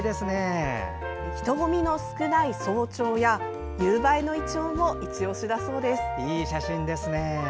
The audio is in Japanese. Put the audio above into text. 人混みの少ない早朝や夕映えのイチョウもいちオシだそうです。